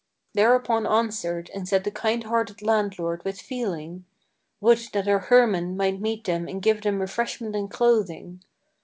Thereupon answered and said the kind hearted landlord, with feeling: "Would that our Hermann might meet them and give them refreshment and clothing!